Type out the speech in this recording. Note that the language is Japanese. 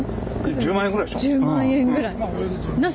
１０万円ぐらい。